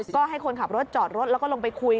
ก็ให้คนขับรถจอดรถแล้วก็ลงไปคุย